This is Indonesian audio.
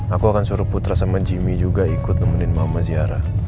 aku akan suruh putra sama jimmy juga ikut nemenin mama ziarah